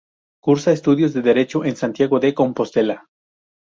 Cursa estudios de derecho en Santiago de Compostela.